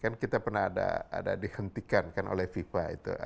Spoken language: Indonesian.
kan kita pernah ada dihentikan kan oleh fifa itu